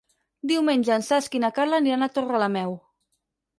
Diumenge en Cesc i na Carla aniran a Torrelameu.